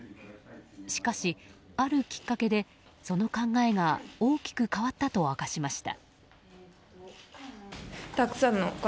しかし、あるきっかけでその考えが大きく変わったと明かしました。